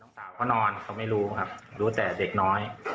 สาวเขานอนเขาไม่รู้ครับรู้แต่เด็กน้อย